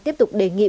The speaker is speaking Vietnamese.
tiếp tục đề nghị